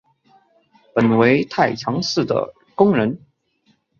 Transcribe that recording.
本为太常寺的工人。